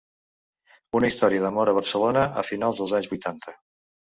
Una història d’amor a Barcelona a finals dels anys vuitanta.